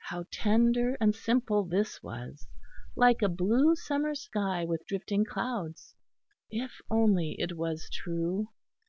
How tender and simple this was like a blue summer's sky with drifting clouds! If only it was true!